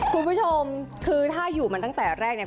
คุณผู้ชมคือถ้าอยู่มันตั้งแต่แรกเนี่ย